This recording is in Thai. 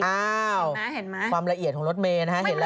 อ้าวความละเอียดของรถเมย์นะฮะเห็นแล้ว